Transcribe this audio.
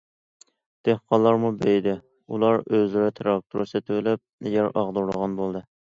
دېھقانلارمۇ بېيىدى، ئۇلار ئۆزلىرى تىراكتور سېتىۋېلىپ، يەر ئاغدۇرىدىغان بولدى.